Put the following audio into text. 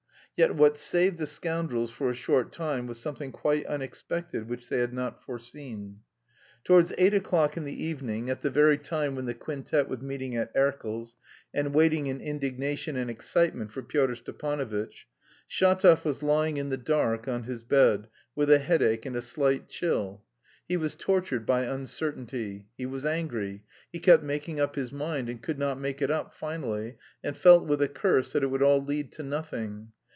Yet what saved "the scoundrels" for a short time was something quite unexpected which they had not foreseen.... Towards eight o'clock in the evening (at the very time when the quintet was meeting at Erkel's, and waiting in indignation and excitement for Pyotr Stepanovitch) Shatov was lying in the dark on his bed with a headache and a slight chill; he was tortured by uncertainty, he was angry, he kept making up his mind, and could not make it up finally, and felt, with a curse, that it would all lead to nothing.